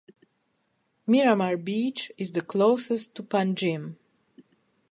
Miramar Beach is the closest to Panjim.